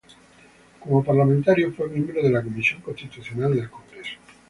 Como parlamentario, fue miembro de la Comisión Constitucional del Congreso.